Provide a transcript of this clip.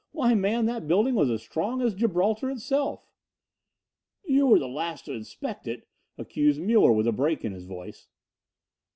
Why man, that building was as strong as Gibraltar itself!" "You were the last to inspect it," accused Muller, with a break in his voice.